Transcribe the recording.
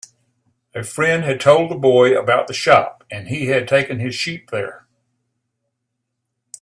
A friend had told the boy about the shop, and he had taken his sheep there.